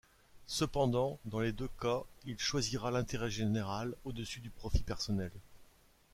Cependant dans les deux cas il choisira l'intérêt général au-dessus du profit personnel.